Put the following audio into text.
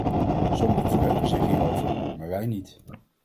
Sommige verheugen zich hierover, maar wij niet!